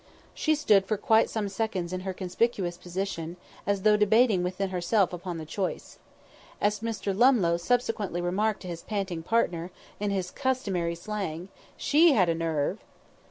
She stood for quite some seconds in her conspicuous position, as though debating within herself upon the choice. As Mr. Lumlough subsequently remarked to his panting partner, in his customary slang, "She had a nerve!"